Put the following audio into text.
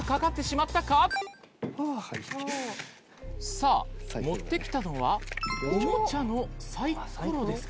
さあ持ってきたのはおもちゃのサイコロですか？